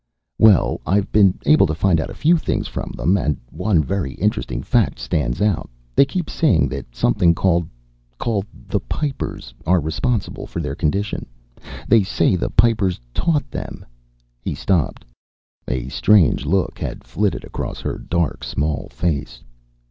"Well, I've been able to find out a few things from them, and one very interesting fact stands out. They keep saying that something called called The Pipers are responsible for their condition. They say the Pipers taught them " He stopped. A strange look had flitted across her dark, small face.